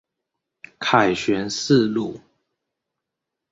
凱旋四路